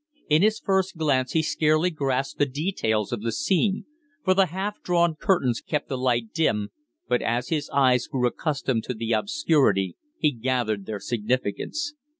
In his first glance he scarcely grasped the details of the scene, for the half drawn curtains kept the light dim, but as his eyes grew accustomed to the obscurity he gathered their significance.